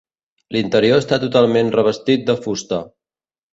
L'interior està totalment revestit de fusta.